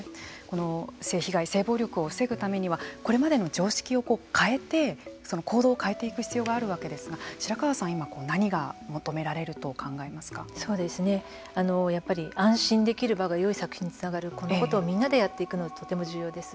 性被害、性暴力を防ぐためにはこれまでの常識を変えて行動を変えていく必要があるわけですが白河さん、今やっぱり安心できる場がよい作品につながるこのことをみんなでやっていくのがとっても重要です。